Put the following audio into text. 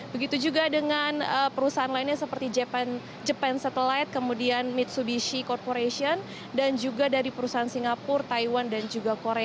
begitu juga dengan perusahaan lainnya seperti japan satelit kemudian mitsubishi corporation dan juga dari perusahaan singapura taiwan dan juga korea